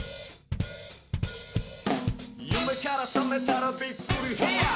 「夢からさめたらびっくりヘアー」